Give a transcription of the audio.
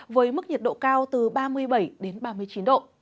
với mức nhiệt độ cao từ ba mươi bảy đến ba mươi chín độ